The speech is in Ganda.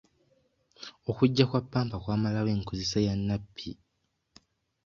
Okujja kwa pampa kwamalawo enkozesa ya nappi.